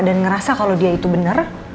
dan ngerasa kalau dia itu bener